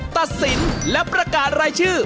ตัดสินและประกาศรายชื่อ